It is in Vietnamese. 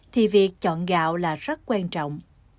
thì việc chọn gạo là rất quan trọng